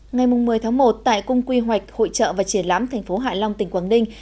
ngày một mươi tháng một tại cung quy hoạch hội trợ và triển lãm thành phố hạ long tỉnh quảng ninh